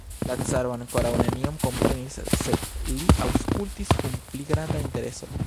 La caro ankoraŭ nenion komprenis, sed li aŭskultis kun pli granda intereso.